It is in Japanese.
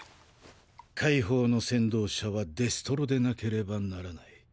解放の先導者はデストロでなければならない。